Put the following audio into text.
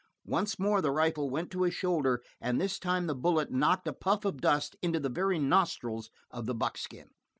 Once more the rifle went to his shoulder, and this time the bullet knocked a puff of dust into the very nostrils of the buckskin.